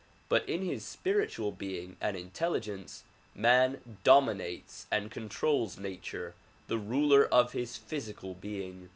But in his spiritual being and intelligence man dominates and con trols nature the ruler of his physical being.